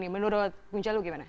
menurut punca lu bagaimana